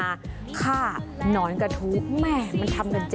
โดยการติดต่อไปก็จะเกิดขึ้นการติดต่อไป